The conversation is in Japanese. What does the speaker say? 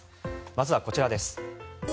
まずはこちらです。